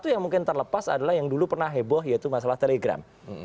yang mungkin terlepas adalah yang dulu pernah heboh yaitu masalah telegram